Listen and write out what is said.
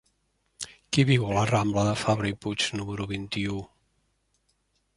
Qui viu a la rambla de Fabra i Puig número vint-i-u?